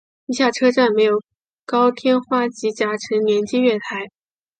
地下车站设有高天花及夹层连接月台。